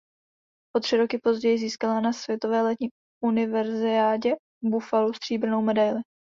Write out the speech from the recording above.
O tři roky později získala na světové letní univerziádě v Buffalu stříbrnou medaili.